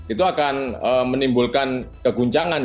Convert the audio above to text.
itu akan menimbulkan keguncangan